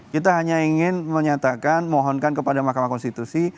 kita hanya ingin menyatakan mohonkan kepada mahkamah konstitusi